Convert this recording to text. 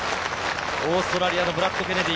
オーストラリアのブラッド・ケネディ。